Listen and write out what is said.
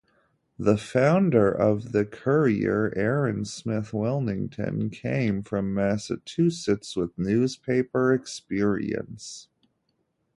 The founder of the "Courier", Aaron Smith Willington, came from Massachusetts with newspaper experience.